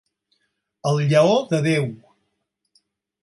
El lleó de Déu.